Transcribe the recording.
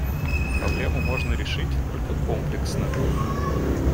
Проблему можно решить только комплексно.